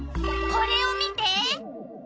これを見て！